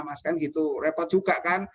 mas kan gitu repot juga kan